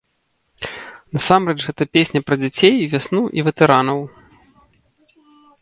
Насамрэч гэта песня пра дзяцей, вясну і ветэранаў.